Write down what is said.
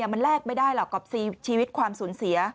มันแลกไม่ได้หรอกกับชีวิตความสูญเสีย